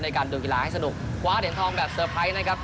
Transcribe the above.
การดูกีฬาให้สนุกคว้าเหรียญทองแบบเตอร์ไพรส์นะครับ